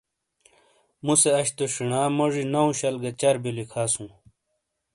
مُوسے اش تو شینا موجی نو شل گہ چربیو لکھاسُوں۔